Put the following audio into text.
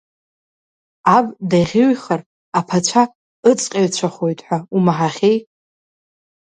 Аб даӷьыҩхар, аԥацәа ыҵҟьаҩцәахоит ҳәа умаҳахьеи!